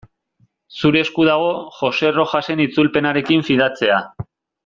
Zure esku dago Joxe Rojasen itzulpenarekin fidatzea.